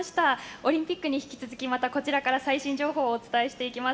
オリンピックに引き続きまたこちらから最新情報をお伝えしていきます。